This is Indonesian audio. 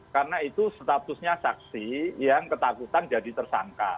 karena itu statusnya saksi yang ketakutan jadi tersangka